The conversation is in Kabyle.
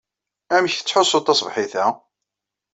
Amek tettḥussuḍ taṣebḥit-a?